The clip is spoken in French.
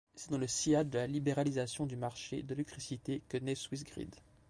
C'est dans le sillage de la libéralisation du marché de l’électricité que naît Swissgrid.